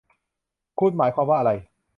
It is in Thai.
คุณหมายความว่าอะไร